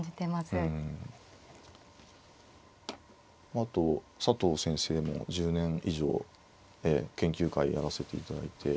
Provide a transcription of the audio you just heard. まああと佐藤先生も１０年以上ええ研究会やらせていただいて。